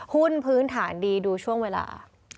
พื้นฐานดีดูช่วงเวลา